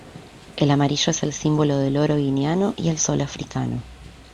El amarillo es el símbolo del oro guineano y el sol africano.